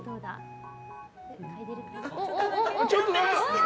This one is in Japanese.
ちょっとなめた！